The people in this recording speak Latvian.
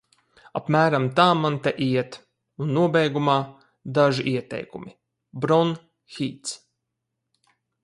Apmēram tā man te iet, un nobeigumā – daži ieteikumi:Bron-Hīts.